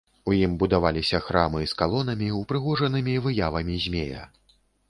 У ім будаваліся храмы з калонамі, упрыгожанымі выявамі змея.